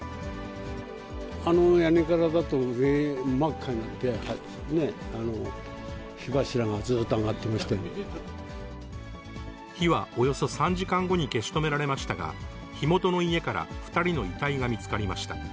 あの屋根から真っ赤になって、火はおよそ３時間後に消し止められましたが、火元の家から２人の遺体が見つかりました。